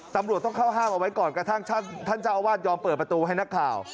ตำรวจต้องเข้าห้ามเอาไว้ก่อนกระทั่งท่านเจ้าอาวาสยอมเปิดประตูให้นักข่าว